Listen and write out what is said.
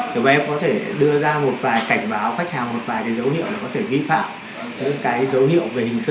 thứ ba là có thể đưa ra một vài cảnh báo khách hàng một vài cái dấu hiệu là có thể ghi phạm những cái dấu hiệu về hình sự